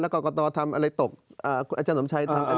แล้วก็กระต่อทำอะไรตกคุณอาจารย์สมทราย